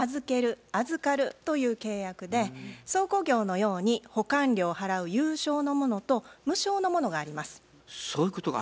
倉庫業のように保管料を払う有償のものと無償のものがあります。